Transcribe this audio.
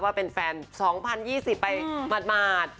ว่าเป็นแฟน๒๐๒๐ไปหมาด